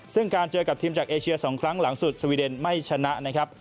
ซึ่งการเจอกับทีมจากเอเชีย๒ครั้งหลังสุดสวีเดนไม่ชนะนะครับ